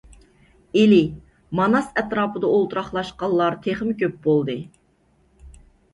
ئىلى، ماناس ئەتراپىدا ئولتۇراقلاشقانلار تېخىمۇ كۆپ بولدى.